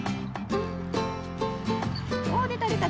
おでたでた。